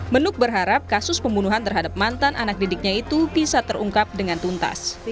menuk berharap kasus pembunuhan terhadap mantan anak didiknya itu bisa terungkap dengan tuntas